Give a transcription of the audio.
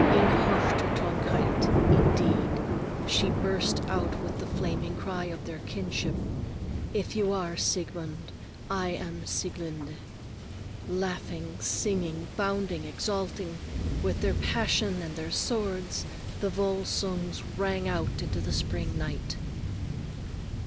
In höchster Trunkenheit, indeed, she burst out with the flaming cry of their kinship: "If you are Siegmund, I am Sieglinde!" Laughing, singing, bounding, exulting,—with their passion and their sword,—the Volsungs ran out into the spring night.